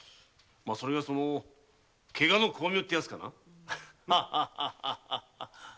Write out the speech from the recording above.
これがそのケガの功名ってヤツかな。